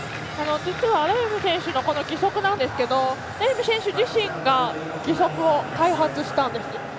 レーム選手の義足なんですけどレーム選手自身が義足を開発したんですよ。